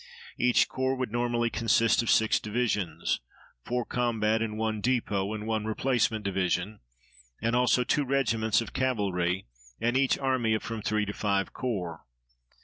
Each corps would normally consist of six divisions four combat and one depot and one replacement division and also two regiments of cavalry, and each army of from three to five corps.